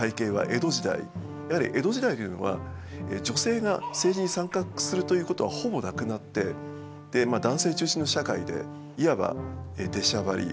やはり江戸時代というのは女性が政治に参画するということはほぼなくなってまあ男性中心の社会でいわば出しゃばりとかですね